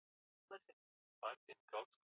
Maisha ni kutafuta na sio kutafutana.